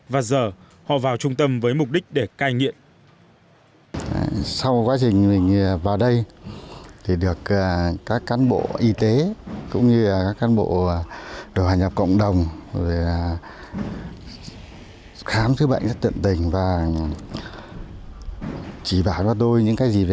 và giờ họ vào trung tâm với mục đích để cai nghiện